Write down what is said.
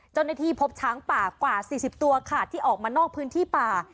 เจ้าหน้าที่พบช้างป่ากว่า๔๐ตัวค่ะที่ออกมานอกพื้นที่ป่า